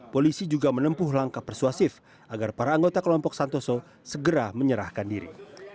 polisi juga menempuh langkah persuasif agar para anggota kelompok santoso segera menyerahkan diri